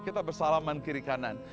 kita bersalaman kiri kanan